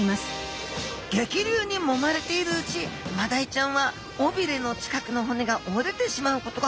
激流にもまれているうちマダイちゃんは尾びれの近くの骨が折れてしまうことがあります。